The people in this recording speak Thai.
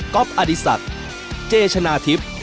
ก๊อปอดิสัตว์เจชนะทิพย์